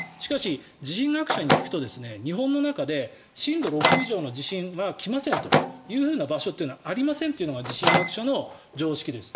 しかし、地震学者に聞くと日本の中で震度６以上の地震が来ませんという場所というのはありませんというのが地震学者の常識です。